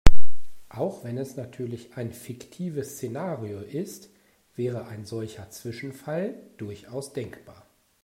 Auch wenn es natürlich ein fiktives Szenario ist, wäre ein solcher Zwischenfall durchaus denkbar.